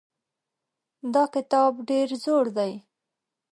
دا کتاب ډېر زوړ دی.